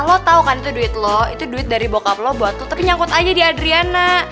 lo tau kan itu duit lo itu duit dari bokap lo buat tapi nyangkut aja di adriana